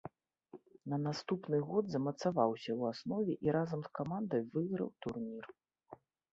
На наступны год замацаваўся ў аснове і разам з камандай выйграў турнір.